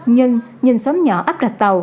nhưng nhìn xóm nhỏ áp đạch tàu